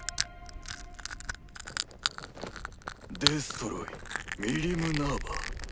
デストロイミリム・ナーヴァ。